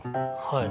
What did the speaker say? はい。